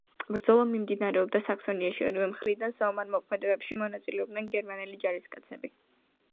ბრძოლა მიმდინარეობდა საქსონიაში, ორივე მხრიდან საომარ მოქმედებებში მონაწილეობდნენ გერმანელი ჯარისკაცები.